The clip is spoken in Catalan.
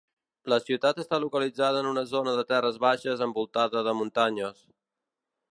La ciutat està localitzada en una zona de terres baixes envoltada de muntanyes.